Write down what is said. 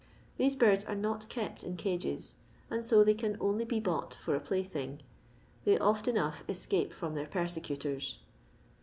These birds are not kept in cages, and so they can only be bought for a plaything. They oft enough escape from their persecutors.